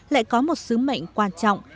lại có một sứ mệnh quan trọng